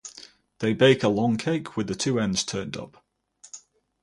They bake a long cake with the two ends turned up.